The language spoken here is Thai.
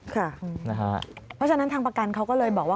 เพราะฉะนั้นทางประกันเขาก็เลยบอกว่า